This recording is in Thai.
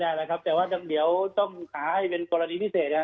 ได้แล้วครับแต่ว่าเดี๋ยวต้องหาให้เป็นกรณีพิเศษนะฮะ